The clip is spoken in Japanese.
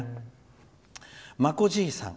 まこじいさん